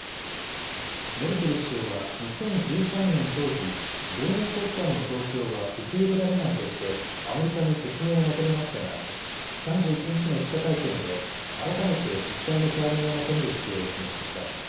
メルケル首相は２０１３年当時、同盟国間の盗聴は受け入れられないとしてアメリカに説明を求めましたが３１日の記者会見で改めて実態の解明を求める姿勢を示しました。